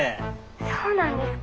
そうなんですか？